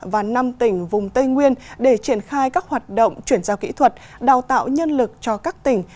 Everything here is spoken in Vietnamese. và năm tỉnh vùng tây nguyên để triển khai các hoạt động chuyển giao kỹ thuật đào tạo nhân lực cho các tỉnh